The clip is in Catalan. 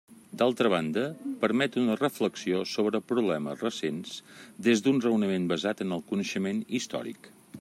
D'altra banda, permet una reflexió sobre problemes recents des d'un raonament basat en el coneixement històric.